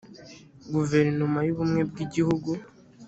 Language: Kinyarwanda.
guverinoma y ubumwe bw igihugu